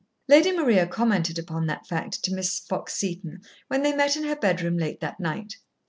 Lady Maria commented upon that fact to Miss Fox Seton when they met in her bedroom late that night.